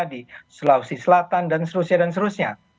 di sulawesi selatan dan selusnya dan selusnya